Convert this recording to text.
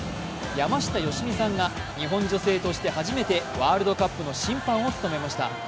山下良美さんが日本女性として初めてワールドカップの審判を務めました。